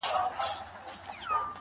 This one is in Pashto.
چي ته نه يې زما په ژونــــد كــــــي,